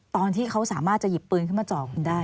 ตอนที่เขาสามารถจะหยิบปืนขึ้นมาเจาะคุณได้